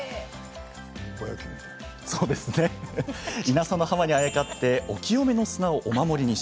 稲佐の浜にあやかってお清めの砂をお守りに。